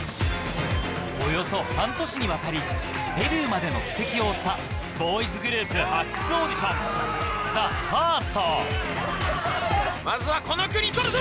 およそ半年にわたりデビューまでの軌跡を追ったボーイズグループ発掘オーディション「ＴＨＥＦＩＲＳＴ」まずはこの国獲るぞ！